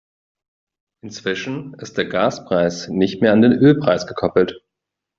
Inzwischen ist der Gaspreis nicht mehr an den Ölpreis gekoppelt.